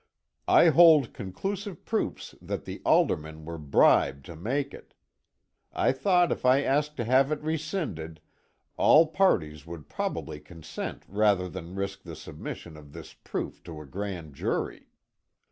I hold conclusive proofs that the aldermen were bribed to make it. I thought if I asked to have it rescinded, all parties would probably consent rather than risk the submission of this proof to a grand jury."